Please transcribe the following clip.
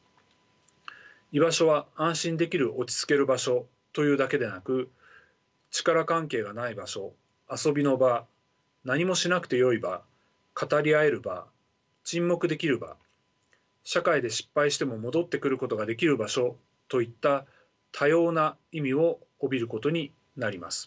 居場所は安心できる落ち着ける場所というだけでなく力関係がない場所遊びの場何もしなくてよい場語り合える場沈黙できる場社会で失敗しても戻ってくることができる場所といった多様な意味を帯びることになります。